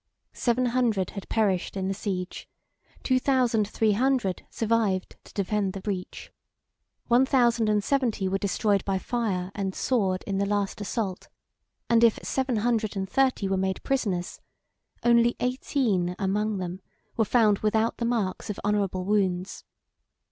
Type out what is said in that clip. Seven hundred had perished in the siege, two thousand three hundred survived to defend the breach. One thousand and seventy were destroyed with fire and sword in the last assault; and if seven hundred and thirty were made prisoners, only eighteen among them were found without the marks of honorable wounds.